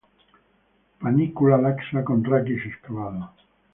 Panícula laxa con raquis excavado.